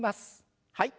はい。